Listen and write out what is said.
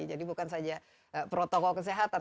jadi bukan saja protokol kesehatan